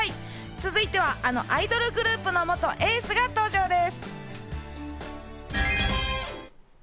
続いては、あのアイドルグループの元エースが登場です。